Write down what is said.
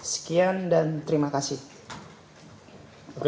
sekian dan terima kasih